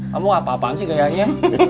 kamu gak apa apaan sih kayaknya